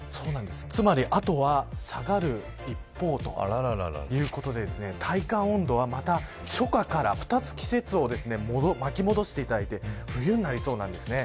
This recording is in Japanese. つまり、あとは下がる一方ということで体感温度は、また初夏から２つ季節を巻き戻していただいて冬になりそうです。